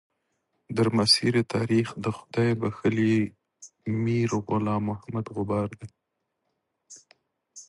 درمسیر تاریخ د خدای بخښلي میر غلام محمد غبار دی.